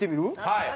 はい。